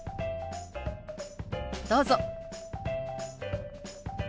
どうぞ。